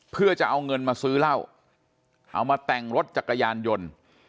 เพื่อจะเอาเงินมาซื้อเหล้าเอามาแต่งรถจักรยานยนต์